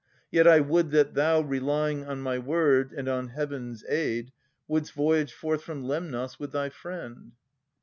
Yet I would that thou, Relying on my word and on Heaven's aid, Would'st voyage forth from Lemnos with thy friend.